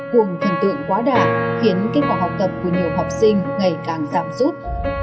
cuồng thần tượng quá đả khiến kết quả học tập của nhiều học sinh ngày càng giảm rút